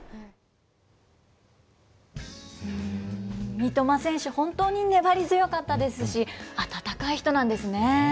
三笘選手、本当に粘り強かったですし、温かい人なんですね。